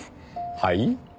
はい？